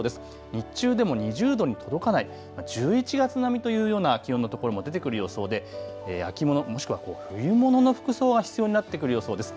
日中でも２０度に届かない、１１月並みというような気温の所も出てくる予想で秋物、もしくは冬物の服装が必要になってくる予想です。